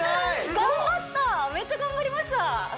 頑張っためっちゃ頑張りました